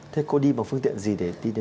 thế cô đi bằng phương tiện gì để đi đến đâu